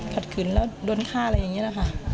ถัดขึ้นแล้วโดนฆ่าอะไรอย่างนี้นะคะ